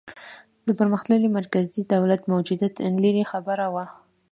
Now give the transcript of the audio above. د پرمختللي مرکزي دولت موجودیت لرې خبره وه.